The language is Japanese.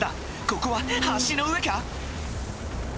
ここは橋の上か？